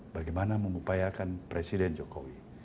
bagaimana mengupayakan presiden jokowi